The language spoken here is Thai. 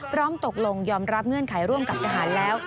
พร้อมตกลงยอมรับเงื่อนไขร่วมกับทหารแล้ว